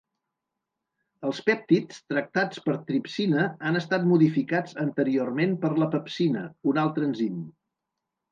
Els pèptids tractats per tripsina han estat modificats anteriorment per la pepsina, un altre enzim.